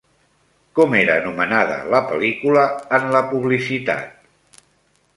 Com era nomenada la pel·lícula en la publicitat?